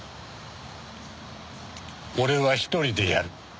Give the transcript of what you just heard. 俺は一人でやる。